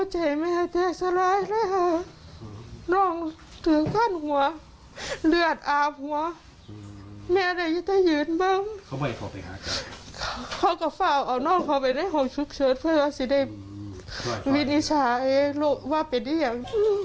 หัวแม่อะไรอยู่ใต้ยืนบ้างเขาก็ฝ่าออกนอกเข้าไปในห้องชุดเชิญเพื่อว่าจะได้วินิชาลูกว่าเป็นยัง